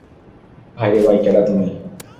ভাইরে ভাই, কেডা তুমি?